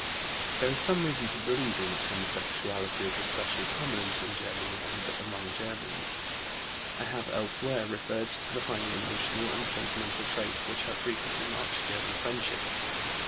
There is some reason for believing that homosexuality is especially prominent in Germany and among Germans. I have elsewhere referred to the highly emotional and sentimental traits which have frequently marked German friendships.